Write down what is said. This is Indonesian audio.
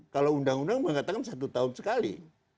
kalau undang undang mengatakan satu tahun sekali